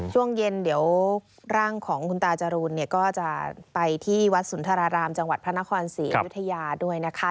ช่วงเย็นเดี๋ยวร่างของคุณตาจรูนเนี่ยก็จะไปที่วัดสุนทรารามจังหวัดพระนครศรีอยุธยาด้วยนะคะ